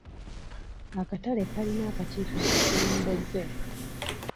Akatale kalina akakiiko akakulembeze.